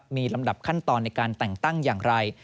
มีลำดับขั้นตอนในการแต่งตั้งอย่างไร